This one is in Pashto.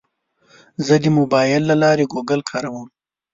زه د موبایل له لارې ګوګل کاروم.